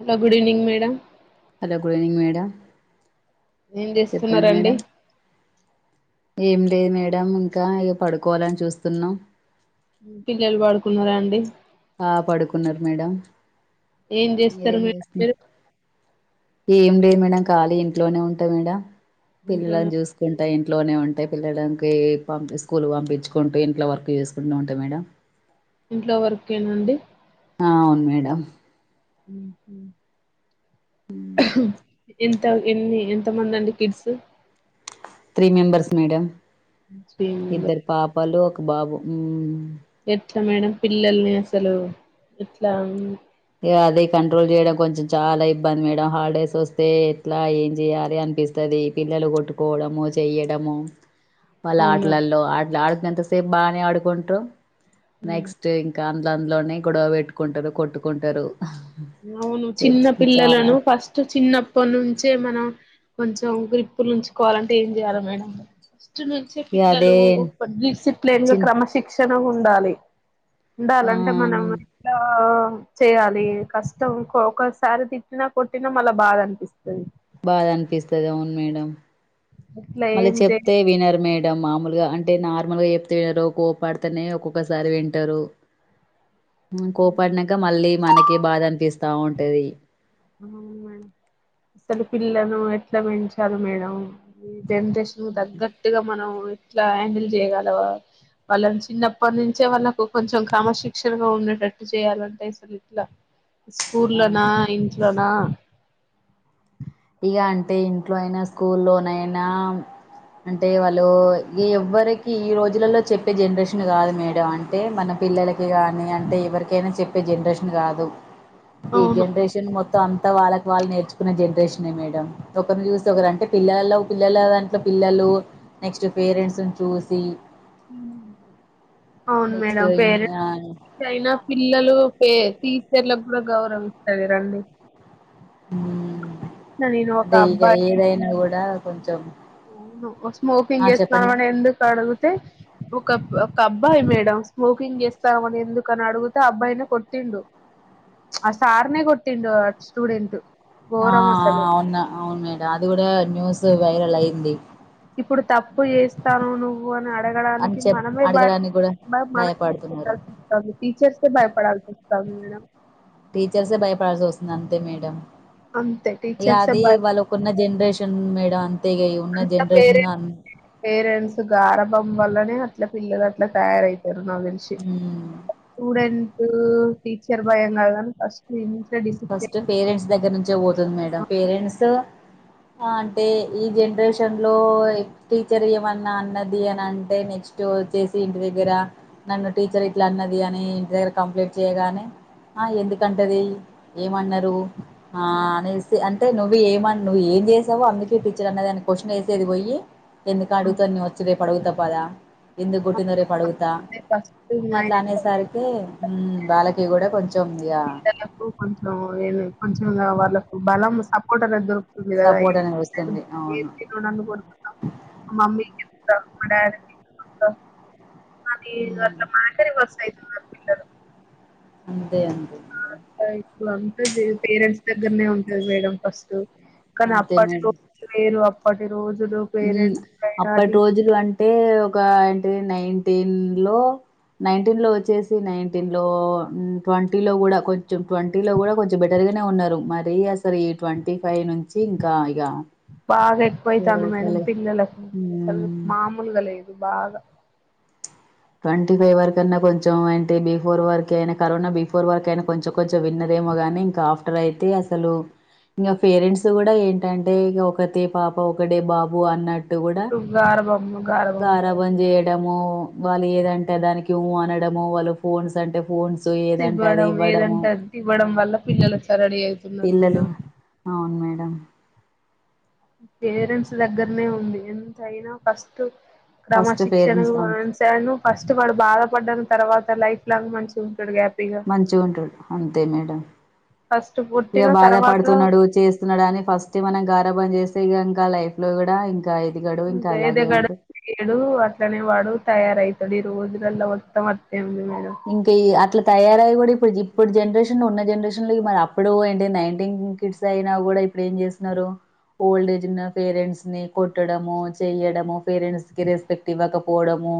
Hello good evening madam hello good evening madam ఏం చెప్పండి చేస్తున్నారండి మేడం ఏం లేదు మేడం ఇంకా ఇక పడుకోవాలని చూస్తున్నాం పిల్లలు పడుకున్నారా అండి ఆ పడుకున్నారు మేడం ఏం చేస్తారు మీరు మీరు ఎం లేదు మేడం ఖాళీ ఇంట్లోనే ఉంటామీడా ఇంట్లోనే పిల్లని చూసుకుంటా అంత ఇంట్లోనే ఉంత పిల్లడానికి పంపి స్కూల్ పంపించుకుంటూ ఇంట్లో వర్క్ చేసుకొని ఉంటా మేడం ఇంట్లో వర్కన అండి ఆ అవును మేడం ఉహ్మ్ ఎంత ఎన్ని ఎంత మంది అండి kids three members madam three members ఇద్దరు పాపాలు ఒక బాబు ఉమ్ ఎట్లా మేడం పిల్లల్ని అసలు ఇట్లా అది కంట్రోల్ చేయడం కొంచెం చాలా ఇబ్బంద్ మేడం హాల్డేసోస్తే ఎట్లా ఏం జేయాలి అన్పిస్తాది అది పిల్లలు కొట్టుకోవ్డమో చెయ్యడమో వాళ్ళ్ ఆట్లల్లో ఆట్లు ఆడుకునెంత సేప్ బానే ఆడుకుంటామ్ నెక్స్ట్ ఇంకా అ దాంట్లోనే గోడవ వెట్టుకుంటారు కొట్టుకుంటారు అవును చిన్న ఎచ్ చాలా పిల్లలను ఫస్ట్ చిన్నప్పట్ నుంచే మనం కొంచం గ్రీప్పులుంచుకోవాలంటే ఏం జేయాల మేడం చ్ నుంచే ఇగ పిల్లలు అదే ఒక్క డిసిప్లిన్ గా చిన్ క్రమశిక్షణగుండాలి ఆ ఉండాలంటే మనం ఎట్లా ఆ చేయాలి కష్టం ఇంకోక సారి తిట్టినా కొట్టినా మళ్ళ బాధన్పిస్తది బాధనిపిస్తది అవును మేడం ఇట్లా మళ్ళీ ఏం చేయ చెప్తే వినర్ మేడ్ డం మామూల్గా అంటే నార్మల్ గా చెప్తేనో ఒ కోపాడ్తేనే ఒక్కొక్కసారి వింటారు అ కోపాడ్నాంక మళ్ళీ మనకే బాధన్పిస్తా ఉంటది అసలు పిల్ మనం ఎట్లా పెంచాలి మేడం ఈ జన్రేషన్ తగ్గట్టుగా మనం ఇట్లా హ్యాండిల్ జేయ్గలవా వాళ్ళన్ చిన్నప్పట్నుంచే వాళ్ళకు కొంచెం క్రమశిక్షణ ఉందట్ కరక్ట్ చేయాలంటే అసలు ఎట్లా ఆ స్కూల్లోనా ఇంట్లోనా ఇగా అంటే ఇంట్లో ఐనా స్కూల్లోనైనా అంటే వాళ్ళు ఎవ్వరికి ఈ రోజులలో చెప్పే జన్రేషన్ గాదు మేడం అంటే మన పిల్లల కి గానీ అంటే ఎవరికైనా చెప్పే జన్రేషన్ కాదు ఈ అవును జన్రేషన్ మొత్త్ తం అంతా వాళ్ళక్ వాళ్ళ్ నేర్చుకునే జన్రేష్ నే మేడం ఒకర్ని చూస్తే ఒకరంటే పిల్లలొ పిల్లల దాంట్లో పిల్లలు నెక్స్ట్ పేరెంట్స్ చూసి ఉమ్ అవును నెక్స్ట్ మేడం పేరెంట్స్ ఐనా పిల్లలు పె టీ చర్లక్ గూడా గౌరవమిస్తాలెరండి ఊమ్ ఒక అదే ఇగ అబ్బాయి ఏదైనా గూడా కొంచ్ అవును అ స్మోకింగ్ చెప్పండి మేడం చేస్తవని ఎందుకడ్గూతే ఒ ఒక్ ఒకబ్బాయి మేడం స్మోకింగ్ చేస్తావని ఎందుకనడుగుతే అ అబ్బాయ్ను కొట్టిండు ఆ సార్నే కొట్టిండు అ స్టూడెంటు ఆ అవ్ను అవ్న్ మేడం అది గూడా న్యూసు వైరల్ అయింది ఇప్పుడు తప్పు చేస్తానవు నువ్వు అని అని అడగడానికి చెప్ మనమే భయ అడగడానికి కూడా భయపడుతున్నారు [unintelligible] టీచర్సే భయపడాల్సి వస్తాంది మేడం టీచర్సే భయపడాల్సోస్తుంది అంతే మేడం అంతే ఇగ టీచర్సే అది భయ వాళ్ళకున్న జన్రేష్ షన్ మేడం ఇగ ఉన్న అంత జనరేషన్ పేరెంట్స్ అన్ పేరెంట్స్ గారభం వల్లనే అట్లా పిల్లలట్లా తయారైతుర్రు నగ్తేల్సి మ్మ్ స్టూడెంటు టీచర్ భయం కాద్ గన్ ఫస్ట్ ఇనుంచి ఫస్ట్ పేరెంట్స్ దగ్గర్నుంచే పోతుంద్ మేడం పేరెంట్సు అ అంటే ఈ జన్రేషన్ లో టీచర్ ఏమన్నా అన్నది అనంటే నెక్స్టూ వచ్చెసి ఇంటి దగ్గర నన్ను టీచర్ ఇట్లా అన్నది అని ఇంటి దగ్గర కంప్లేంట్ చేయగానే ఆ ఎందుకంటది ఏమన్నారు ఆ అనేసి అన్ టే నువ్వు ఏమనువ్ ఏం చేసావో అందుకే టీచర్ అన్నది అని క్వశ్చనేసేది పోయ్యి ఎందుకడ్గుతా నెనొచ్చి రేపడుగుత పదా ఎందుక్ గోట్టిందో రేపడుగుత్ త ఫస్ట్ అని మైనస్ అట్లానేసరికి ఉమ్ వలకి గూడా కొంచం ఇగ గో కొంచం ఇగ వాళ్ళకు బలం సపోర్ట్ అనెదొరు సపోర్ట్ అనేది వస్తుంది అవును ఏంటి నువు నన్ను కొడునావ్ మా మమ్మీకి చెప్ మా డాడీన్ తీసుకొస్త అది నువ్ హ్మ్. అట్లా మాటలాడు ఒకసారి అ [unintelligible] అంతే అ ఇప్పుడు అంతా జే పేరెంట్స్ దగ్గరనే ఉంటది మేడం ఫస్ట్ కానీ అంతే అప్పటి రోజులు వేరు అప్పటి రోజు ఉ అప్పటి రోజులు అం టే ఒక ఏంటి నైన్టీన్ లో నైన్టీన్ లో వచ్చేసి నైన్టీన్ లో మ్ ట్వంటీ లో కూడా కొంచెం ట్వంటీ లో కూడా కొంచెం బెటర్గా నే ఉన్నారు మరి అసలు ఈ ట్వంటీ ఫైవ్ నుంచి ఇంకా ఇగ బాగా ఎక్కువైతాంది మేడం టోటల్ పిల్లలకు అసలు ఉమ్ మామూలుగా లేదు బాగా ట్వంటీ ఫైవ్ వరకన్నా కొంచం అంటే బిఫోర్ వరకు అయినా కరోనా బిఫోర్ వరకు అయినా కొంచం కొంచం విన్నది ఏమో గాని ఇంకా ఆఫ్టర్ అయితే అసలు ఇంగ పేరెంట్స్ కూడా ఏంటంటే ఇగ ఒకతే పాప ఒకడే బాబు అన్నట్ ట్టు కూడా చుట్టూ గారభము గారభంతో గారాబం చేయడము వాళ్ళు ఏదంటే దానికి ఉ అనడము వాళ్ళు ఫోన్స్ అంటే ఫోన్స్ ఏదంటే అది ఇవ్వడం ఇవ్వడము. ఏదంటే అది ఇవ్వడం హ్మ్. వల్ల పిల్లలు అట్లా రెడీ అవుతున్నారు మేడం అవున్ మేడం పేరెంట్స్ హ్మ్. దగ్గరనే ఉంది ఎంతయినా ఫస్ట్ ఫస్ట్ క్రమశిక్షణ పేరెంట్స్ అంతే [unintelligible] ఫస్ట్ వాడు బాధపడ్డాన్ తర్వాత లైఫ్ లాంగ్ మంచి మంచిగా ఉంటడు అంతే మేడం ఫస్ట్ ఇగ పుట్టిన బాధ తర్వాత పడుతున్నాడు చేస్తున్నాడు అని ఫస్ట్ మనం గారాబం చేస్ స్తే గనక లైఫ్ లో కూడా ఇంకా ఎదగడు ఇంకా అలాగే గయదగడు ఉంటడు. యితడు అట్లనే వాడు తయారయితాడు ఇ రోజులల్లా మొత్తం అట్ ఇంకయి అట్లా తయారై కూడా ఇప్పుడు జూపూడు జనరేషన్ ఉన్న జనరేషన్ లో కూడా అప్పుడు ఏంటి నైన్టీన్ కిడ్స్ అయినా కూడా ఇప్పుడు ఏం చేస్తున్నారు ఓల్డ్ ఏజ్ ఉన్న పేరెంట్స్ ని కొట్టడమో చెయడమో పేరెంట్స్ కి రెస్పెక్ట్ ఇవ్వకపోవడము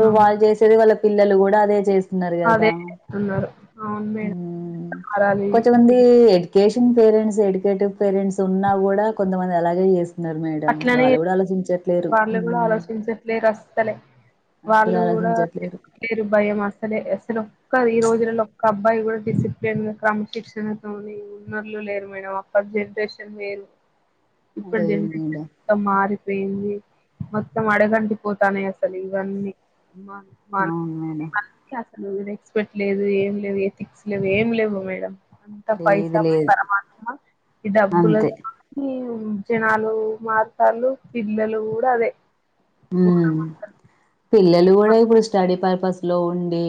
ఇగ వాళ్ళు చేసేది వాళ్ళ పిల్లలు కూడా అదే చే నారు కదా అదే చేస్తున్నారు. అవును మేడం. మ్ మారాలి ఇది కొంతమంది education parents educated parents ఉన్నా కూడా కొంతమంది అలాగే చేస్త న్నారు మేడం అట్లనే వాళ్ళ కూడా ఆలోచించరు వాళ్ళు కూడా ఆలోచించట్లేరు అస్ సలే అసలు వాళ్ళు కూడా ఆలోచించట్లేరు చెప్తలేరు భయం అసలే అసలు క ఈ రోజులో ఒక్క అబ్బాయి కూడా డిసిప్లేన్ క్రమశిక్షణ తోని ఉన్నోళ్లు లేరు మేడం అపాట్ జనరేషన్ వేరు ఇప్పటి లేదు జనరేషన్ మేడం మొత్తం మారిపోయింది మొత్తం అడగంటి పోతానయి అసలు ఇవన్నీ మ మ అవును మేడం [unintelligible] రెస్పెక్ట్ లేదు ఏం లేదు ఎథిక్స్ లేవు ఏం లేవు మేడం అంత లేదు పైసామే లేదు పరమాత్మ ఈ అంతే డబ్బులతోనీ జనాలు మారుతళ్లు పిల్లలు కూడా అదే ఘోరం ఉమ్ అసలు. పిల్లలు కూడా ఇప్పుడు స్టడీ పర్పస్ లో ఉండి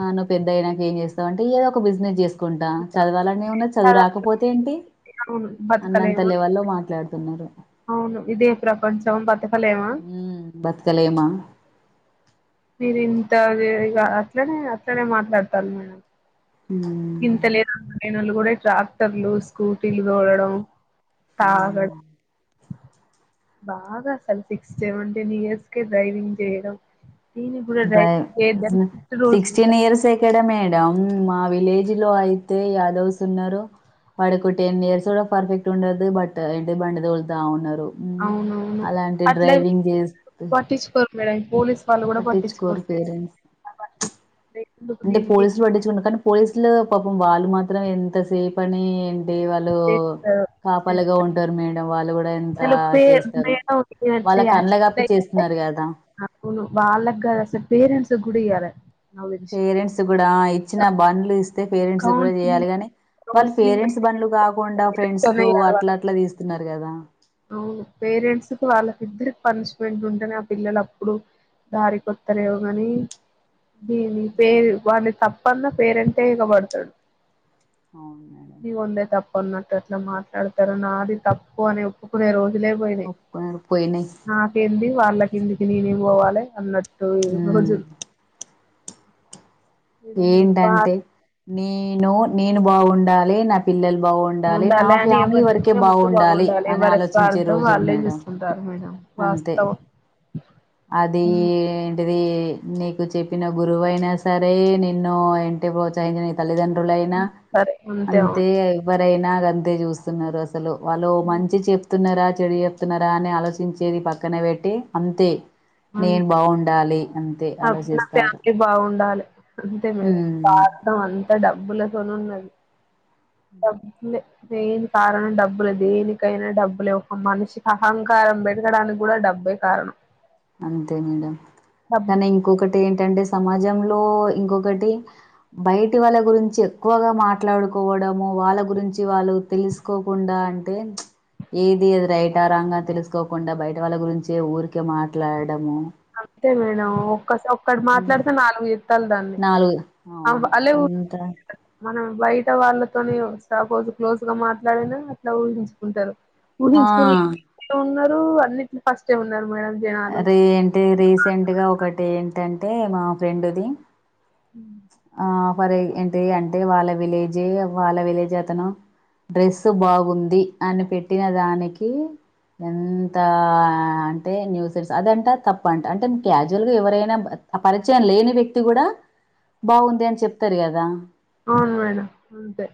ఆ నువ్ పెద్ద అయినాక ఏం చేస్తావు అంటే ఏదో ఒక బిజినెస్ చేస్తా కుంటా చదవాలని ఎమునద్ చదువు రాకపోతే ఏంటి అవును అన్నంత బతకలేమ లెవెల్లో మాట్లాడుతున్నారు అవును ఇదే ప్రపంచం బతుకలే మ్ బతకలేమ మీరు ఇంత వే ఇగ అట్లనే అట్లనే మాట్లాడతాలు మేడం ఉమ్ ఇంత లేన్ అంత లేన్ ఓళ్ళు కూడా ట్రాక్టర్లు స్కూటీలు తొలడం తగా ఉమ్. బాగా అసలు సిక్స్ సెవెన్ టీన్ ఇయర్స్ కె డ్రైవింగ్ చేయడం దీనికి కూడా డ్రైవింగ్ డ్రైవ్ చేయొద్దని స్ట్రిక్ట్ రూల్స్ సిక్స్టీన్ ఉంటాయి ఇయర్స్ ఎక్కడ మేడ్ డాం మా విలేజ్ లో అయితే యాదవ్స్ ఉన్నారు పడుకుంటే ఎం చేస్తాడో పర్ఫెక్ట్ ఉండడు బట్ ఏంటి బండి తోలుతా ఉన్నారు తో ఉమ్ అవునవును అలాంటి అట్లా డ్రైవింగ్ చేస్తు పట్టించుకోరు మేడం పోలీస్ వాళ్ళు కూడా పట్టించుకోరు పట్టించుకోట్లేదు పేరెంట్ పట్టించుకుంటే ఎందుకు అంటే దీనికి పోలీసులు పట్టించుకుంటారు కానీ పోలీసులు పాపం వాళ్ళు మాత్రం ఎంత సేఫ్ అని అంటే వాళ్ళు చేస్తారు కాపలుగా ఉంటారు మేడం వాళ్ళు కూ చలో పే మే [unintelligible] వాళ్ళ కండ్ల కప్పి చేస్తున్నారు కదా హ వాళ్లకి కాదు అసలు పేరెంట్స్ కూడా ఇయ్యాల పేరెంట్స్ గూడా ఇచ్చిన బండ్లు ఇస్తే పేరెంట్స్ కూడా చేయాలి కౌన్సిలింగ్ గానీ వాళ్ళు కౌన్సిలింగ్ పేరెంట్స్ బండ్లు కాకుండా ఫ్రెండ్స్ తో అయ్యారు వాళ్ళు. అట్లా అట్లా తీస్తున్నారు కదా అవును పేరెంట్స్ కు వాళ్ళకిద్దరి పనిష్మెంట్ ఉంటేనే ఆ పిల్లలు అప్పుడు దారి కొత్తరేవగాని దీని పేరు వాని తప్పన్నా పేరెంట్స్ ఇకబడతాడు అవును మేడం కొన్నట్టు అట్లా మాట్లాడుతారు నాది తప్పు అని ఒప్పుకునే రోజ జులై పోయినయి ఒప్పుకున్నారు పోయినాయి నాకేంది వాళ్ళ కిందికి నేనే ఏం పోవాలి అన్నట్టు ఇ రోజు హ్మ్ బా ఏంటంటే నేను నేను బాగుండాలి నా పిల్లలు బాగుండాలి, నా ఉండాలే అని ఫ్యామిలీ వరకే ఎవరిమట్ బాగుండాలి అని ఎవరి ఆలోచించే స్వార్థం రోజులు వాళ్ళే మేడం చూసుకుంటారు మేడం అంతే. వస్తావా అది ఎంటిది నీకు చెప్పిన గురువైనా సరే నిన్ను ఇంటి ప్రోత్సహించిన తల్లిదండ్రులు రూలయినా సరే అవును. అంతే ఎవరైనా గంతే చూస్తున్నారు అ సలు వాళ్ళు మంచి చెప్ చి చెప్తున్నారా చెడు చేపున్నారా అని ఆలోచించేది పక్కన పెట్టి అంతే నేను అంతే బావుండాలి అంతే నా ఆల నా చేస్తారు ఫ్యామిలీ బాగుండాలి అంతే మేడం స్వార్థం అంత డబ్బులతోన ఉన్నది డబ్బు లే దేని కారణం డబ్బులే దేనికైనా డబ్బులే ఒక మనిషి అహంకారం పెరగడానికి కూడా డబ్ బే కారణం అంతే మేడం డబ్బు తనీ ఇంకొక టి ఏంటంటే సమాజంలో ఇంకొకటి బయటి వాళ్ళ గురించి ఎక్కువగా మాట్లాడుకు కోవడము వాళ్ళ గురించి వాళ్ళు తెలుసుకోకుండా అంటే ఏది అది రైట ఆ రాంగా తెలుసుకోకుండా బయట వాళ్ళ గురించే ఊరికే మా అంతే మేడం ఒక్కటి మాట్లాడితే నాలుగు ఎత్తాలు నాలుగు అవును అంత మనం బయట వాళ్ళతోనే ఒకసారి క్లోజ్ గా మాట్లాడినా అట్లా ఊహించుకుంటారు ఆ ఉహించు కొనికి ఉన్నారు అన్నింటి లో ఫస్ట్ ఏ ఉన్నారు మేడం జనాలు ఆరె ఏంటి రీసెంట్గా ఒకటి ఏంటంటే మా ఫ్రెండది ఆ ఫర్ ఏంటి అంటే వాళ్ళ విలేజ్ వాళ్ళ విలేజ్ అతను డ్రెస్ బాగుంది అని పెట్టిన దానికి ఎంత అంటే న్యూ సరీస్ అదంట తప్ప అంట అంటే క్యాజువల్ గా ఎవరైనా ఆ పరిచయం లేని వ్యక్తి కూడా బావుంది అని చెప్తారు కదా అవును మేడం అంతే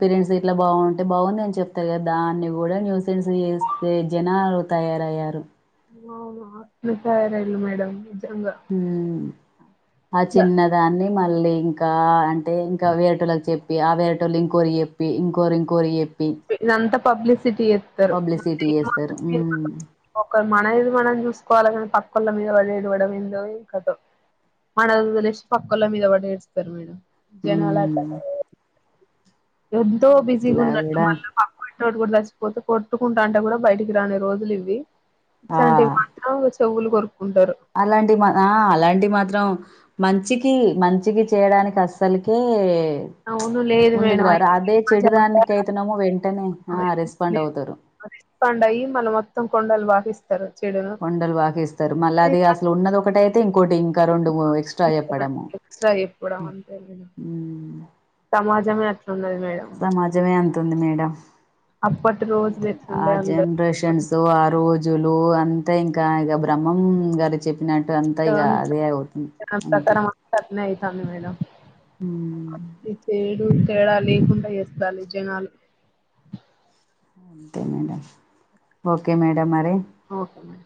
పీరెంట్స్ ఇట్లా బాగుంటే బాగుందని చెప్తారు కదా దాన్ని కూడా న్యూసెన్స్ చేస్తే జనాలు తయా తయారు అవున అట్ల తయార అయిరు మేడం నిజంగా ఉమ్ ఆ ఇట్లా చిన్నదాన్ని మళ్ళీ ఇంకా అం అంటే ఇంకా ఆటోలకి చెప్పి అవ్వేటోలు ఇంకోరి చెప్పి ఇంకోరు ఇంకారి చెప్పి ఇదంతా పబ్లిసిటీ ఎత్తరు పబ్లిసిటీ చేస్తారు. ఒక మన ఇది మనం చూసుకోవాలి కానీ పక్కళ్ళ మీద పడిఏడవ్వడం ఏందో ఈ కత మన వదిలేసి పక్కల మీద పడి ఏడుస్తారు మేడం జనాలు అట్లా మ్మ్ తయారు ఎంతో బిజీగా అట్లా ఉన్నట్టు కూడా మళ్ళా పక్క కూడా చచ్చిపోతే కొట్టుకుంటా అంటే కూడా బయటికి రాని రోజులు ఇవి. ఆ ఇట్లాంటివి మాత్రం చెవులు కోర్ అలాంటి మా ఆ అలాంటి మాత్రం మంచికి మంచికి చేయడానికి అస్సలుకే ప్చ్ అవును లేదు ముందుకు మేడం రారు ఆయన అదే సినిమా చెడుదానిక జనాల అయితున్నామొ వెంటనే ఆ నే రెస్పాండ్ అవుతారు. రెస్పాండ్ అయి మనం మొత్తం కొండాలు వాకిస్తారు. కొండలు వాకిస్తారు మళ్ళా అది అసలు ఉన్నది ఒకటి అయితే ఇంకోటి. రెండోమూడో ఎక్సట్రా చెప్పడం. ఎక్స్ట్రా చెప్పడం అంతే జమల ఎట్లున్నది మేడం? తుంది మేడం. అప్పటి రోజులు ఆ ఎట్లుండే అందరు ఇప్పుడు జనరేషన్స్ ఆ రోజులు అ అంతే ఇంకా ఇగ బ్రహ్మం గారు చెప్పి నట్టు అంతా ఇగ అదే అవుతుంది. అంతే అవును మేడం ఏడు తేడా లేకుండా చేస్తాలు ఈ జనాలు అంతే మేడం ఓకే మేడం మరి ఓకే మేడం